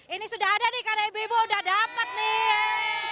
ini sudah ada nih karena ibu ibu udah dapat nih